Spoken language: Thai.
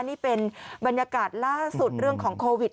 นี่เป็นบรรยากาศล่าสุดเรื่องของโควิด